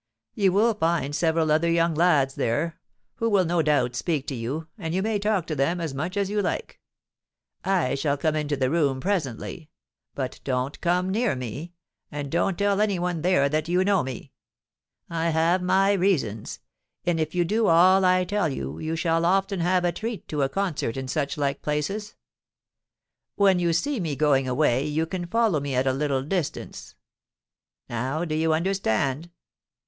You will find several other young lads there, who will no doubt speak to you; and you may talk to them as much as you like. I shall come into the room presently; but don't come near me; and don't tell any one there that you know me. I have my reasons; and if you do all I tell you, you shall often have a treat to a concert and such like places. When you see me going away, you can follow me at a little distance. Now do you understand?'